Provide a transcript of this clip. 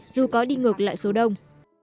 dù có đi ngược lại số đông